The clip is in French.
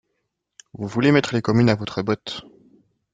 Vous voulez mettre les communes à votre botte.